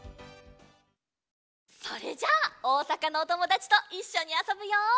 それじゃあおおさかのおともだちといっしょにあそぶよ！